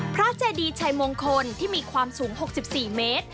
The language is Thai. เจดีชัยมงคลที่มีความสูง๖๔เมตร